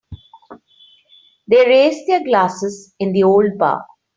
They raised their glasses in the old bar.